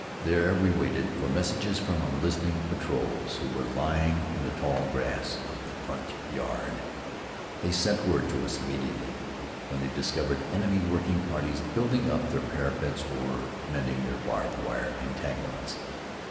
There we waited for messages from our listening patrols, who were lying in the tall grass of "the front yard." They sent word to us immediately when they discovered enemy working parties building up their parapets or mending their barbed wire entanglements.